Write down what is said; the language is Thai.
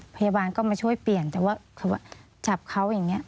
พยาบาลก็มาช่วยเปลี่ยนแต่ว่าจับเขาอย่างนี้